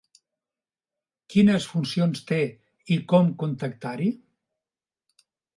Quines funcions té i com contactar-hi?